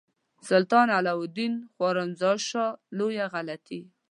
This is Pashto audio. سلطان علاء الدین خوارزمشاه لویه غلطي.